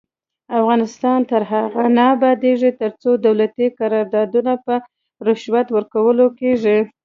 افغانستان تر هغو نه ابادیږي، ترڅو دولتي قراردادونه په رشوت ورکول کیږي.